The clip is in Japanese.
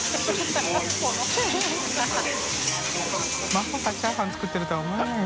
まさかチャーハン作ってるとは思えない。